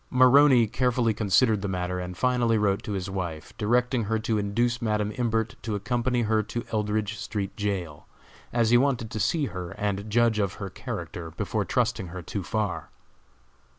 Maroney carefully considered the matter, and finally wrote to his wife, directing her to induce Madam Imbert to accompany her to Eldridge street jail, as he wanted to see her and judge of her character before trusting her too far.